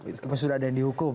meskipun sudah ada yang dihukum